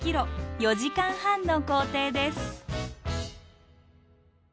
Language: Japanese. ４時間半の行程です。